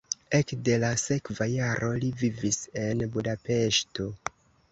Ekde la sekva jaro li vivis en Budapeŝto.